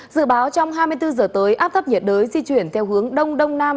dự báo trong hai mươi bốn giờ tới áp thấp nhiệt đới di chuyển theo hướng đông đông nam